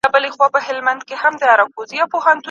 وړانګي ته په تمه چي زړېږم ته به نه ژاړې